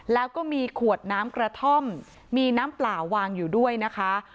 แล้วก็มีขวดน้ำกระท่อมมีน้ำเปล่าวางอยู่ด้วยนะคะ